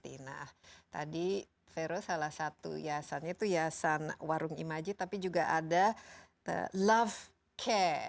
dokter mesty nah tadi vero salah satu yasannya itu yasan warung imajid tapi juga ada love care